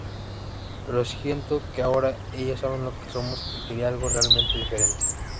Pero siento que ahora, ellos saben lo que somos, y quería algo realmente diferente.